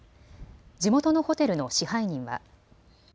地元のホテルの支配人は。